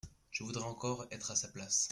Je voudrais encore être à sa place.